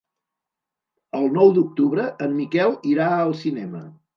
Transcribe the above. El nou d'octubre en Miquel irà al cinema.